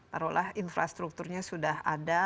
taruhlah infrastrukturnya sudah ada